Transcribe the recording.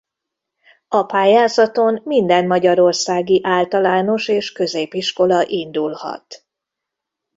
A pályázaton minden magyarországi általános és középiskola indulhat.